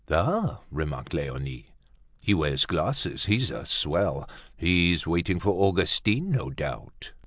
"Ah!" remarked Leonie, "he wears glasses. He's a swell. He's waiting for Augustine, no doubt."